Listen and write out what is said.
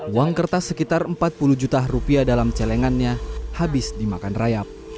uang kertas sekitar empat puluh juta rupiah dalam celengannya habis dimakan rayap